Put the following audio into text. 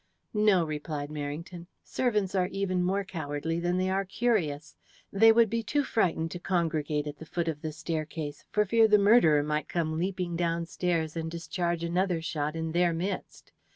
"No," replied Merrington. "Servants are even more cowardly than they are curious. They would be too frightened to congregate at the foot of the staircase, for fear the murderer might come leaping downstairs and discharge another shot in their midst.